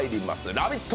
「ラヴィット！」